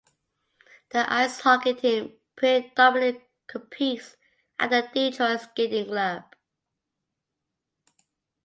The ice hockey team predominately competes at the Detroit Skating Club.